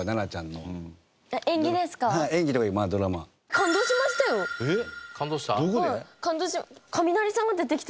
感動した？